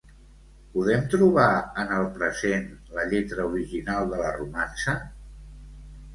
Podem trobar en el present la lletra original de la romança?